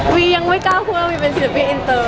วียังไม่กล้าพูดว่าวีเป็นศิลปินอินเตอร์